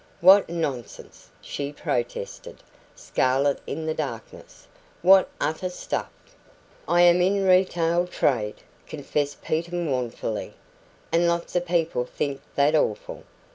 "What nonsense!" she protested, scarlet in the darkness. "What utter stuff!" "I am in retail trade," confessed Peter mournfully, "and lots of people think that awful.